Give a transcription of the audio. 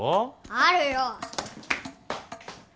あるよ。